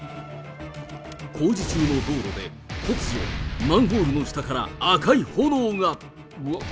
工事中の道路で、突如、マンホールの下から赤い炎が。